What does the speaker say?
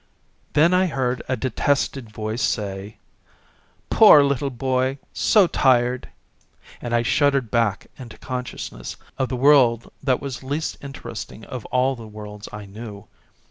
Then I heard a detested voice say, " Poor little boy, so tired !" and I shuddered back 14 THE DAY BEFORE YESTERDAY into consciousness of the world that was least interesting of all the worlds I knew.